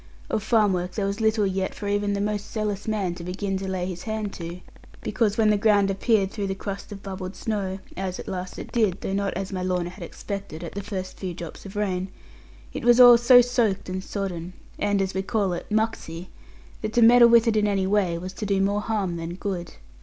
Of farm work there was little yet for even the most zealous man to begin to lay his hand to; because when the ground appeared through the crust of bubbled snow (as at last it did, though not as my Lorna had expected, at the first few drops of rain) it was all so soaked and sodden, and as we call it, 'mucksy,' that to meddle with it in any way was to do more harm than good.